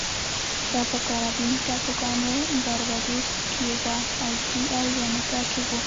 دا په کارابین ټاپوګانو باربادوس، کیوبا، هایټي او جامیکا کې و